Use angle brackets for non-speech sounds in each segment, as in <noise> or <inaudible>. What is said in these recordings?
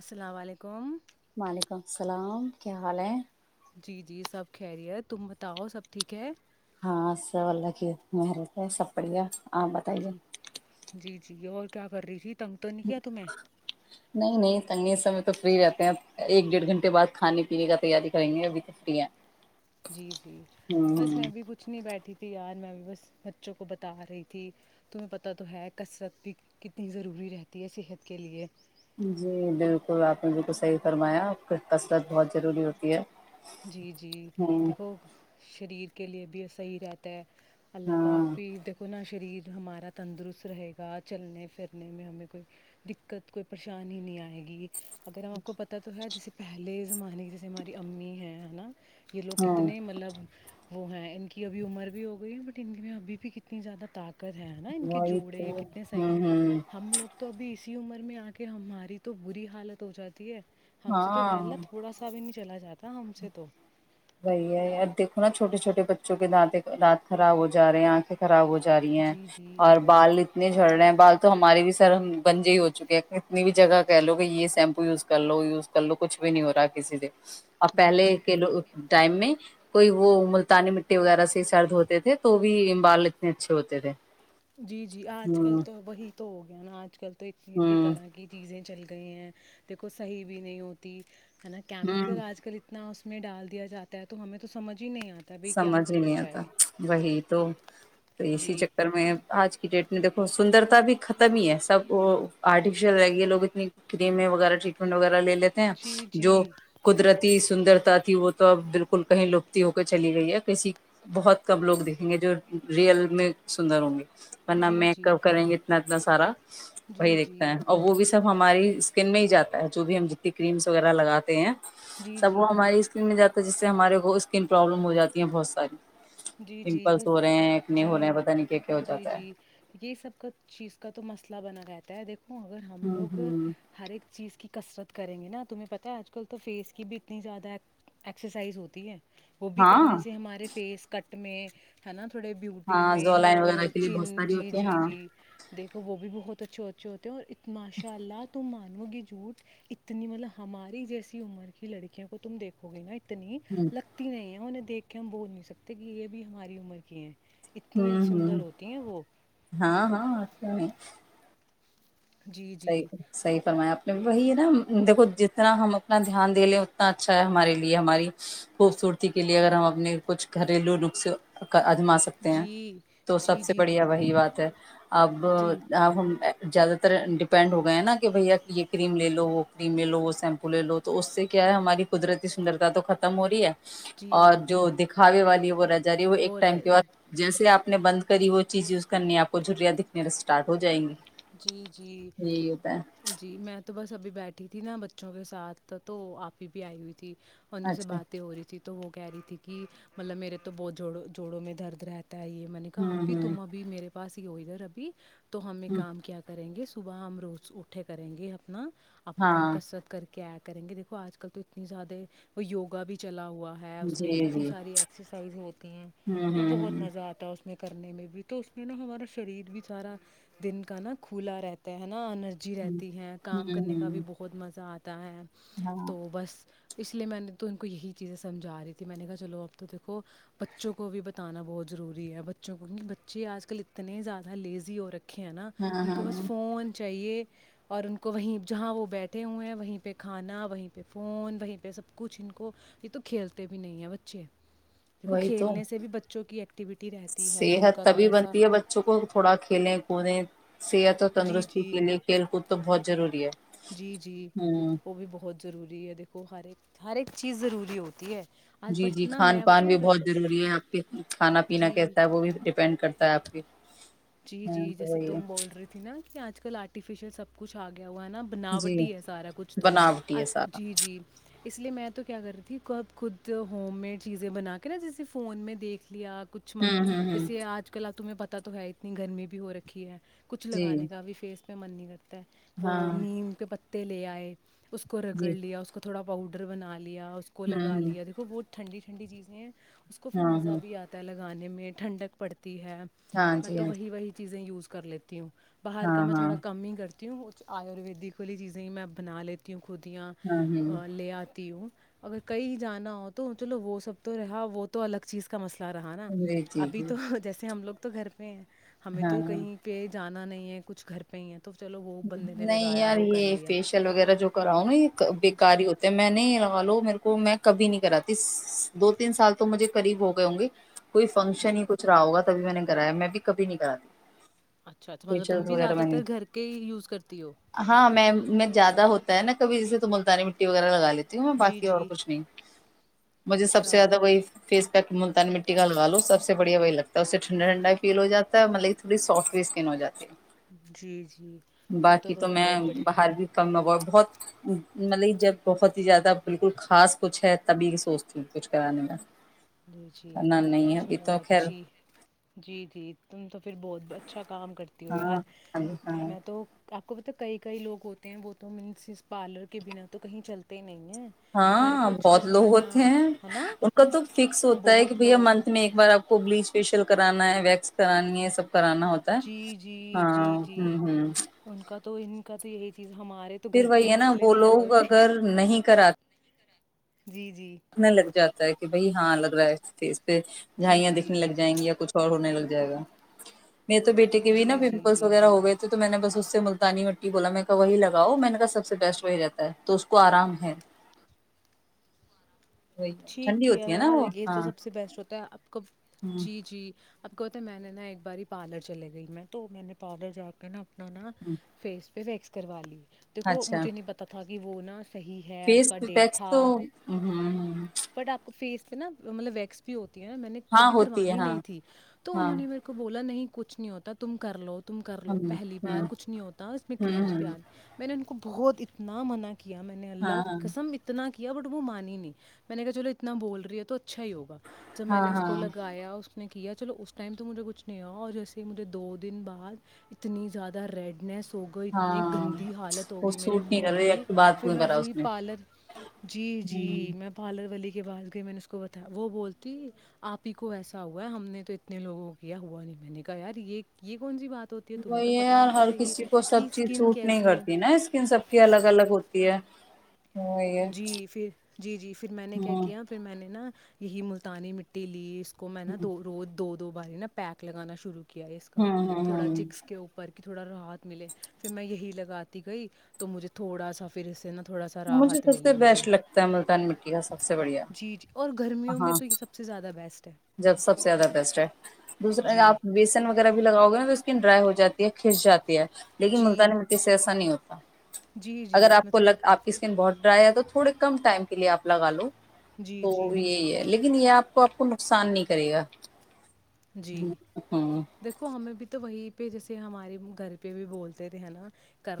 السلام علیکم وعلیکم السلام کیا حال ہے جی جی سب خہری ہے تم بتاؤ سب ٹھیک ہے ہاںا واللہ کی محنت ہے سب بڑھیا آپ بتائیے جی جی جی اور کیا کر رہی تھی تٹنگ تو نہیں کیا تمیں چنگے سمے تو فری رہتے ہیں ایک ڈیڑھ گھنٹے بعد کھانے پینے کا تیاری کریں گے ابھی تو فری ہے جی جی ہوں بس ہوں میں بھی کچھ نہیں بیٹھی تھی یار میں بھی بس بچوں کو بتا رہی تھی تمہیں پتہ تو ہے کثرت بھی کتنی ضروری رہتی ہے صحت کے لیے جی بالکل آپ نے بالکل صحیح فرمایا آپ کی کثرت بہت ضروری ہوتی ہے جی جی ہوں دیکھو شریر کے لیے بھی صحیح رہتا ہے اللہ ہاں پاک بھی دیکھو نا شریر جو ہمارا تندرست رہے گا چلنے پھرنے میں ہمیں کوئی دقت کوئی پریشانی ہی نہیں آئے گی اگر ہم آپ کو پتا تو ہے جس پہلے زمانے کی جیسے ہماری امی ہیں ہے نا یہ لوگ ہاں کتنے مطلب وہ ہیں ان کی ابھی عمر بھی ہو گئی ہے بٹ ان کی ابھی بھی کتنی زیادہ تاق نا ان کے وہی جوڑے تو یہ کتنے سح ہوں ہوں ہم لوگ تو ابھی اس عمر میں آ کے ہماری تو بری حالت ہو جاتی ہے ہم سے تو ہےلا ہاں تھوڑا سا بھی نہیں چلا جاتا تم وہی ہے ا دیکھوناا چھٹے چھوٹے بچوں کے دانتیں دانت خراب ہوا رہے ہیں آنکھیں خراب ہو ج جا رہی ہیں جی جی اور بال اتنے جڑ رہے ہیں بال تو ہمارے بھی سر گنجے ہی ہو چکے ہے کتنی بھی جگہ کہہ لو کہ یہ شیمپو یوز کر لو یوز کر لو کچھ بھی نہیں ہو رہا ہے کسی سے اور جی پہلے جی کے لو ٹائم میں۔ کوئی وہ ملتانی مٹی وغیرہ سے۔ سرد ہوتے تھے تو۔ بھی بال اتنے اچھے ہوتے تھے۔ جی جی آج کل ہوں تو وہی تو ہو گیا نا آج کل تو اتنی اتنی ہوں طرح کی چیزیں چلی۔ گیی ہیں دیکھو صحیح بھی نہیں ہوتی۔ ہے نا ہوں کیمیکل آج کل اتنا اس۔ میں ڈال دیا جاتا ہے تو ہمیں تو سمجھ۔ ہی نہیں آتا بھائی کیا سمجھ ہی کیا نہیں آتا جائے وہی تو۔ تو اسی جی چکر میں آج کی ڈیٹ میں۔ دیکھو سندرتا بھی ختم ہی ہے سب وہ آرٹیفیشیل رہ گی لوگ اتنی کریمیں وغیرہ ٹریٹمنٹ وغیرہ لے لیتے۔ ہیں جی جو جی قدرتی۔ سندرتا تھی وہ تو اب بالکل کہیں لبتی وبتی۔ چلی گئی ہے کسی بہت کم لوگ دیکھیں گے جو ریئل میں سندر ہوں گے۔ ورنہ جی جی میکپ کریں گے اتنا۔ اتنا سارا۔ وہی جی دیکھتا جی ہے اور وہ بھی سب ہماری۔ اسکن میں ہی جاتا ہے جو بھی ہم جتنی کریمس وغیرہ لگاتے ہیں۔ جی سب جی وہ ہماراری اسکن میں جاتا۔ ہے جس سے ہمارے کو۔ اسکن پرابلم ہو جاتی ہیں بہت ساری۔ جی جی پمپلس بس ہو رہے ہیں اکنے جی ہو رہے ہیں پتا نہیں کیا کیا ہو جی جاتا ہے جی یہ سب کا چیز کا تو مسل۔ لا بنا رہتا ہے دیکھو۔ اور اگر ہم ہوں لوگ ہوں ہر ایک چیز کی۔ کسرت کریں گے نا تمہیں پتہ آج کل تو فیس کی بھی اتنی زیادہ ایکسرسائز ہوتی ہے۔ وہ بھی کرنے ہاں سے ہمارے فیس۔ سٹ میں تھا نا۔ تھوڑے بیوٹیز ہاں میں زولائن وغیرہ نوج کے لیے چن بہت ساری جی ہوتی ہیں جی ہاں جی دیکھو وہ بھی بہت اچھا۔ اچے ہوتے ہیں اور ماشاء اللہ تم مانو گی جھوٹ اتنی مطلب ہماری جیسی عمر کی لڑکیوں کو تم دیکھو گے نا ات۔ نی ہوں لگتی نہیں انیں۔ دیک کے ہم بول نہیں سکت۔ تے کہ یہ بھی ہماری عمر کی ہیں۔ اتنی ہمم ہمم سندر ہوتی ہیں وہ ہاں ہاں نہیں۔ جی صحیح جی صحیح فرمایا آپ۔ وہی ہے نہ دیکھو جتنا ہم اپنا دھیان دے لیں اتنا اچھا ہے ہمارے لیے ہماری خوبصورتی کے لیے اگر ہم اپنے کچھ گھریلو نکسے ازما سکتے ہیں جی تو جی سب سے جی بڑھیا وہی بات ہے اب جی اب ہم ذیادہ ا <inaudible> ڈپینڈ ہو گئے نہ کہ بھیا یہ کریم لے لو وہ کریم لے لو وہ شیمپو لے لو تو اس سے کیا ہے ہماری قدرتی سندرتا تو ختم ہو رہی ہے جی اور جو دکھاوے والی یہ وہ ر <unintelligible> جاری وہ ایک ٹائم کے بعد جیسے نے بند کری وہ چیز یوز کرنی ہے آپ کو جریا دکھنے س اسٹارٹ ہو جائیں گے جی جی جی میں تو بس سبھی بیٹھی تھی نا بچوں کے ساتھ تو آپ ہی بھی آئی ہوئی تھی تھی اور انیں سے اچھا باتیں ہو رہی تھی تو وہ کہہ رہی تھی کہ مطلب میرے تو بہت جوڑ جوڑوں میں درد رہتا یہ میں نے کہا ہوں آپھی ہوں تم ابھی میرے پاس ادھر ابھی تو ہم یہ ہ کام کیا کریں گے صبح ہم روز اٹھے کریں گے اپنا اپنا ہاں مقسرت کر کے آ کریں گے دیکو آج کل تو اتنی زیادہ وہ وگا بھی چلا ہوا اس میں جی کتنی جی ساری ایکسرسائز ہوتی ہیں ہوں وہ بہت ہوں مزہ آتا ہے اس میں کرنے میں بھی تو اس میں نا ہمارا شریر بھی سارا دن کا نا کھلا رہتا ہے نا ن انرجی ہ رہتی ہے کام ہ کرنے کا بھی ہوں بہت مزہ آتا ہے ہ ہاں تو بس اس لیے میں نے تو ان کو یہی چیزیں سمجھا رہی تھی میں نے کہا چلو اب تو دیکھو بچوں کو بھی بتانا بہت ضروری ہے بچوں کو کیونکہ بچے آج کل اتنے زیادہ لیزی ہو رکھے نا ہاں ان کو ہاں بس فون چاہیے اور ان کو وہیں جہاں وہ بیٹھے ہوئے ہیں وہیں پہ کھانا وہیں پہ فون وہیں پہ سب کچھ ان کو یہ تو کھیلتے بھی نہیں ہے بچے دیکھو وہی تو کھیلنے سے بھی بچوں کی ایکٹیویٹی رہتی ہے ان صحت کا تبھی تھوڑا سا بنتی ہے بچوں کو تھوڑا <unintelligible> صحت اور جی تندرستی جی کے لیے کھیل کود تو بہت ضروری ہے جی جی ہوں وہ بھی بہت ضروری ہے دیکھو ہر ایک ہر ایک چیز ضروری ہوتی ہے آج جی جی بٹ نہ کھان میں پان بتائی بھی کیا کر بہت ضروری ہے آپ کے کھانا پینہ جی کیسا ہے وہ بھی ڈیپینڈ کرتا ہے آپ کے جی ہاں جی تو جیسے وہی ہے تم بول رہی تھی نا کہ آج کل آرٹیفیشل سب کچھگے وہ نا جی بناوٹ ہی ہے سارا کچھ تو بناوٹی ہے اج سارا جی جی اس لیے میں تو کیا کر رہی تھی کب خود ہوم میڈ چیزیں بنا کے نا جیسے فون میں دیکھ لیا کچھ مطلب ہوں ہوں ہوں جیسے آج کل تمہیں پتا تا تو ہے اتنی گرمی بھی ہو رکھی ہے کچھ جی لگانے کا بھی فیس میں من نہیں کرتا ہاں وہ نیم کے ت لے آئے اس کو رگڑ جی لیا اس کو تھوڑا بہ پؤڈر بنا لیا اس کو ہوں لگا ہ لیا دیک بہت ٹھنڈی ٹھنڈی چیزیں اس کو پھر ہاں مزہ ہاں بھی آتا ہے لگانے میں ٹنڈک پڑتا تی ہے ہاں میں جی تو ہاں جی وہی وہی چیزیں یوز کر لیتے تی ہوں باہر کا ہاں میں ہاں تھوڑا کم ہی کرتی تی ہوںچ آیورویدک والی چیزیں ہی میں بنا لیتی ہوں خودیا ہاں ہ ل آتی وہ اگر کہیں جانا ہو تو چلو وہ سب تو رہا وہ تو الگ چیز کا مسئلہ رہا نا جی جی ابھی جی تو جیسے ہم لوگ تو گھر پ ہمیں ہاں تو کہیں پہ جان نا نہیں ہے کچھ گھر پہ ہی ہے نہیں یار یہ لیا فیشیل وغیرہ جو کرا ہ نا یہ جی بےکاری ہوتے ہے میں نہیں لگا لو میرے کو میں کبھی نہیں کراتی دو تین سال تو مجھے قریب ہو گئے ہوں گے کوئی فنکشن جی ہی کچھ رہا ہو گا کبھی میں نے کرایا میں بھی کبھی نہیں کراتی اچھا اچھا م ت فیشیل بھی وغیرہ میں نے زدر گھر کے یوز کرتی ہو ہاں میں میں زیادہ ہوتا ہے ن کبھییسے تو ملتانی مٹی وغیرہ لگا لیتے ہوں میں جی باقی اور جی کچھ نہیں مجھے سب سے اچھا زیادہ وہی فیس پیک <unintelligible> جی جی پھر باقی تو تم میں بہت بڑی باہر بھی کم بہت مطلب جب بہت ہی زیادہ بالکل خاص کچھ ہے تبھی سوچتی ہوں کچھ کرانے میں جی جی نہ نہیں ہے ابھی چلو تو خیر اچھی جی جی تم تو پھر بہت اچھا کام کرتی ہوں یار ہاں ہاں ہاں میں تو آپ کو پتا کئی کئی لوگ ہوتے ہیں وہ تو مس اس پارلر کے بنا تو کہیں چلتے ہی نہیں ہیں ہر ہاں کچھ بہت لوگ کروانا ہوتے ہیں ہے نا ان کا تو ف س ہوتا ہے کہ بہت بھیا لوگ منت میں ایک بار آپ کو بلیچ فیشیل کرانا ہے ویکس کرانی ہے سب کرانا ہوتا ہے جی جی ہاں جی جی ہوں ہوں ان کا تو ان کا تو یہی چیز ہمارے تو پھر گھر وہی کے ہے نا مسئلے وہ نہیں حل لوگ ہوتے اگر نہیں کراتے جی جی اتنا لگ جاتا ہے کہ بی ہاں لگ رہ ہےی پہ جی جھائیاں جی دکھنے لگائیں گی یا کچھ اور ہونے لگ جائے گا میرے تو بیٹے کے بھی ن جی جی پمپلس جی وغیرہ جی ہو گئے تھے تو میں نے بس ملتانی مٹی بولا میں وہی لگاؤ میں نے کا سب سے بیسٹ وہی رہتا ہے تو اس کو آرام ہے وہی ٹھنڈی ٹھیک ہوتی ہے نا یار وہ یہ ہاں تو سب سے بیسٹ ہوتا ہے آپ کب ہ جی جی اب کہتے ہیں میں نے نا ایک باری پارلر چلے گئی میں تو میں نے پارل جا کر نا ن نا ہ فیس پہس کروا لی دیکو مجھے نہیں پتا تھا یہ وہون فس پیکس تو ہ بٹ آپ کو فیس پ نا مطلب ویکس بھی ہو ہے نا میں نے ہاں کبھی ہوتی ہے کروانی ہاں نہیں تھی تو ہاں انہوں نے میرے کو بولا نہیں کہ کچھ نہیں ہوتا تم کر لو تم کر لو ہ پہلی ہ بار ہ کچھ نہیں ہوتا اس میں کریمس ہ پ آتی میں نے بہت اتنا مناع کیا کیا میں نے اللہ ہاں ہاں قسم اتنا کیا کیا بٹ م مانی نہیں میں نے کہ چلو اتنا بول رہی ہے تو اچھا ہی ہوگا جب میں ہاں نے اس کو ہاں لگایا اس نے چلو اس ٹائم مجھے کچھ نہیں ہوا اور جیسے ہی مجھے دو دن بعد اتنی زدہ ریڈ نیس ہوگا اتنی ہاں گندی حالت وہ ہوگی میرے سوٹ نہیں منہ کر رہی کی ایک تو بات پھر کیوں میں کرا وہی اس نے پارلر جی ہوں جی میں ولی کے باز گ میں نے اس کو بتا وہ بولتی آپ ہی کو ایسا ہوا ہے ہم نے تو اتنے لوگوں کو کیا ہوا نہیں میں نے کہا یار یہ یہ کون سی بات ہوتی ہے تمہیں تو وہی پتہ یار ہونا ہر چاہیے کسی کو سب کہ چیز اسکن چھوٹ نہیں کیسی ہے کرتی نا اسکن سب کی الگ الگ ہوتی ہے وہی ہے جی پھر جی جی پھر میں نے کیا ہاں ہوں کیا پھر میں نے نا <inaudible> کو میں نا دو روز دو دو باری نا پیک لگانا شروع کیا اس کا ہ تھوڑا ہ چکس کے اوپر کہ تھوڑا راحت ملے پھر میں یہی لگا آتی گئی تو مجھے تھوڑا سا پھر اس اس سے نا تھوڑا سا رحت س بیسٹ لگتا ہے ملتانی مٹی کا سب سے بڑھیا جی جی اور گرمیوں میں ہاں تو یہ سب سے زیادہ بیسٹ ہے جب سب سے زیادہ بیسٹ ہے دوسرا جی آپ بیسن وغیرہ بھی لگاؤ گے اسکن ڈرائی ہو جاتی ہے کھس جاتی ہے لیکن ملتانی جی مٹی سے ایسا نہیں ہوتا <inaudible> جی جی اگر اس آپ میں کو تھوڑا لگ آپ کی اسکن بہت ڈرائی ہے تو تھوڑے کم ٹائم کے لیے آ لگا لو جی تو جی یہی ہے لیکن لیکن یہ آپ کو آپ کو نقصان نہیں کرے گا جی ہ ہوں دیکھو ہمیں بھی تو وہی پہ جیسے ہمارے گھر پہ بھی بولتے تھے نا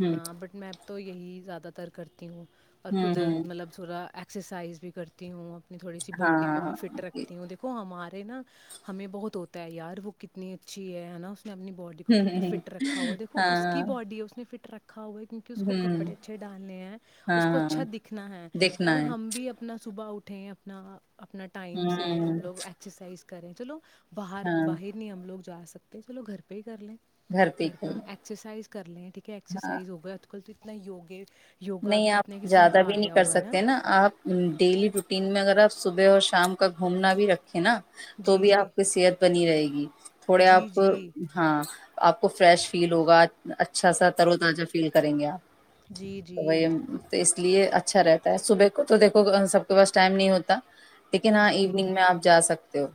ہوں بٹ میں تو یہی زیادہ تر کرتی ہوں اور ہوں خود ہوں مطلب سوا ایک اسرسائز بھی کرتی ہوں اب تھوڑی سی باڈی کو ہاں بھی فٹ رکھتی ہوں ہ دیکو ہمار نا ہمیں بہت ہوتا ہے یار وہ کتنی اچھی ہےا میں اپنی باڈی کو کتنا فٹ رکھا دیکو اس ہاں کی باڈی ہے اس نے فٹ رکھ کھا ہوا کیونکہ اس کو ہوں کپڑے ہاں اچھے ڈالنے ہیں اس کو ہاں، اچھا دکھنا ہے دیکھنا اگر ہے ہم بھی اپنا صبح اٹھیں اپنا اپنا ٹائم سے ہ ہم لوگ ایکسرسائز کریں چلو باہر ہاں باہر نہیں ہم لوگ جو آ سکتے ہیں چلو گھر پہ ہی کر لیں گھر پہ ہم ایکسرسائز کر لیں ٹھیک ہے ایکسرسائز ہوگ ا کل تو نہ یگی نہیں آپ زیادہ بھی نہیں کر سکتے نا آپ ڈیلی روٹین میں اگر آپ صبح اور شام کا گھومنا بھی رکھیں نا تو جی بھی جی آپ کی صحت بنی رہے گی تھوڑے جی آپ جی ہاں آپ کو فریش فیل ہوگا اچھا سا ترو تازہ فیل کریں گے آپ جی تو وہ تو اس لیے اچ اچھا رہتا ہے صبح کو تو دیکھو سب کے پاس ٹائم نہیں ہوتا لیکن جی ہاں جی ایوننگ میں آپ جا سکتے ہو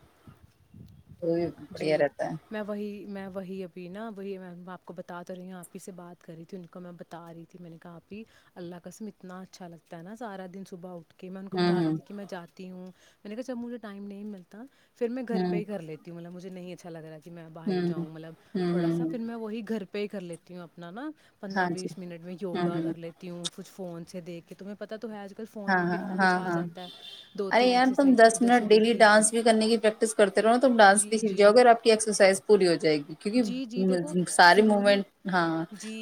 جی بڑھیا رہتا ہے میں وہی میں وہی ابھی نا وہ یہ میم آپ کو بتاات تھا اور یہ آپ ہی سے بات کر رہی تھی ان کو میں بتا رہی تھی میں نے کہا آپ ہی اللہ قسم اتنا اچھا لگتا ہے نا سارا دن صبح اٹھ کہ میں انن کو بتا رہ ہوں تھی کہ میں جاتی ہوں مطلے کہ جمج ٹائم نہیں ملتا پھر میں گھر پہ ہوں ہی کر لیتی مجے نہیں اچھا ل رہا تھا کہ میں باہر ہوں جاؤں مطلب ہوں ہ ہوں تھوڑا سا ہوں پھر ہ میں وہی گھر پ پے کر لیتی ہوں اپنا نا پندرہ ہاں جی بیس منٹ میں ہوں یوگا ہوں کر لیتی ہوں کچھ فون سے دیکھ کہ تمیں پتا تو ہے کل فون ہاں میں بھی ہاں اتنا کچھ ہاں آ ہاں جاتا ہے دو ارے تین یار تم ایکسرسائز دس ادھر منٹ سے ڈیلی دیکھی ڈانس بھی کرنے کی پریکٹس کرتے رہو نا تم ڈانس بھی جی سھ جاؤ جی اگر آپ کی ایکسرسائز پوری ہو جائے گی جی جی دیکھو کیک سارے ضروری موومنٹ ہاں جی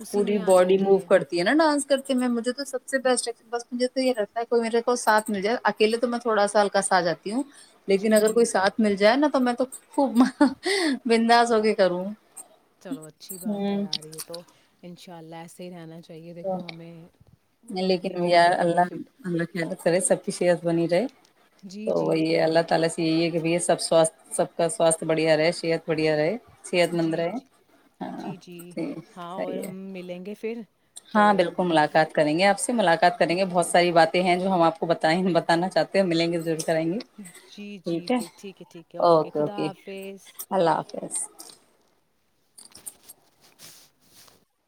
اسی پوری میں آ باڈی مو جاتی کرتی ہے نا ڈانس کر میں مجھے تو سب سے بیسٹ بس مجھے تو یہ رہگتا ہے کو میرے کو سھ مل جائے اکلے تو میں تھوڑا ہلکا سا جاتا ہوں لیکن جی اگر جی کوئی ساتھ مل جائے نا تو میں تو خوب بنداس وغیرے کروں چلو اچھی بات ہے ہوں آ رہ ہے تو انشء اللہ ایے ہی رہنا چاہی چاہیے دیکھو ہمیں اپنی باڈی کو بھی فٹ سرے سبفیشیئس بنی رہے جی تو جی یہ اللہ تعالی یہ یہ کہ بھ سب سواھ سب کا سواستھ بڑھیا رہے صحت بڑھیا رہے صحت جی مند رہے جی ہاں جی جی ٹھیک ہاں اور صحیح ہے ہم ملیں گے پھر تو ہاں بالکل ملاقات کریں گے آپ سے ملاقات کریں گے بہت ساری بات تے ہیں جو ہم آپ کو بتانا چاہتے ہو ملیں گے ضرور کریں گے جی جی بھی ٹھیک ہے ٹھیک ہے اوکے خدا حافظ س